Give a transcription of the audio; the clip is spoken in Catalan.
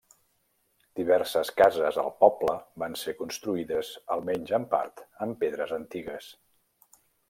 Diverses cases al poble van ser construïdes, almenys en part, amb pedres antigues.